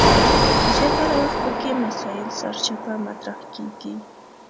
زیاتره وخت پکې مسایل سرچپه مطرح کیږي.